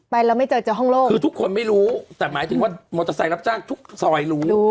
เราไม่เจอเจอห้องโล่งคือทุกคนไม่รู้แต่หมายถึงว่ามอเตอร์ไซค์รับจ้างทุกซอยรู้